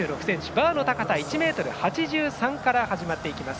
バーの高さ、１ｍ８３から始まっていきます。